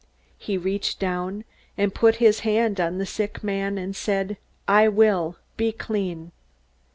He reached down and put his hand on the sick man, and said: "I will. Be clean."